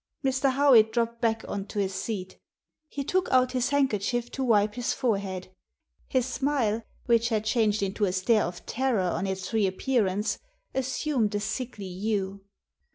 Mr. Howitt dropped back on to his seat He took out his handkerchief to wipe his forehead. His smile, which had changed into a stare of terror on its reappearance, assumed a sickly hue.